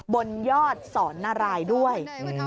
บนยอดศรนรายด้วย